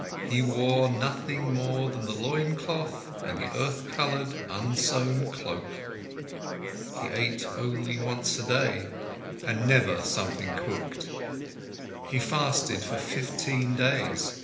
He wore nothing more than the loincloth and the earth coloured, unsown cloak. He ate only once a day, and never something cooked. He fasted for fifteen days.